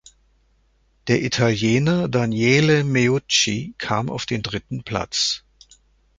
Der Italiener Daniele Meucci kam auf den dritten Platz.